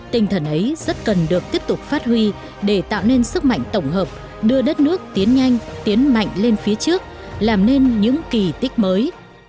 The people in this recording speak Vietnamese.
tinh thần ấy rất cần được tiếp tục phát huy để tạo nên sức mạnh tổng hợp đưa đất nước tiến nhanh tiến mạnh lên phía trước làm nên những kỳ tích mới